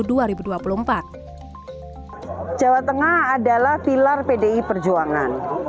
jawa tengah adalah pilar pdi perjuangan